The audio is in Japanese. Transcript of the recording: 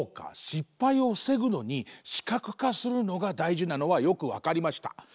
失敗をふせぐのに視覚化するのがだいじなのはよくわかりました。